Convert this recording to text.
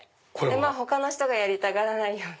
他の人がやりたがらないような。